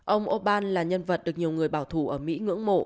ông orbán là nhân vật được nhiều người bảo thủ ở mỹ ngưỡng mộ